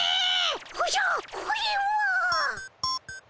おじゃこれは！